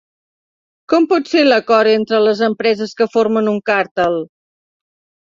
Com pot ser l'acord entre les empreses que formen un càrtel?